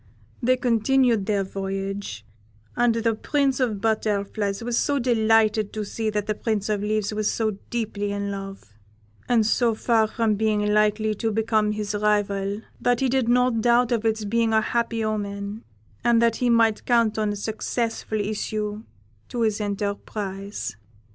They continued their voyage, and the Prince of the Butterflies was so delighted to see that the Prince of Leaves was so deeply in love, and so far from being likely to become his rival, that he did not doubt of its being a happy omen, and that he might count on a successful issue to his enterprise.